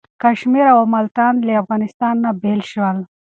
کشمیر او ملتان له افغانستان نه بیل شول.